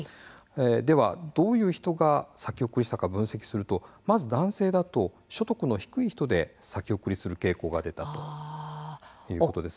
ではどういう人が先送りしたか分析をするとまず男性だと所得の低い人で先送りする傾向が出たということです。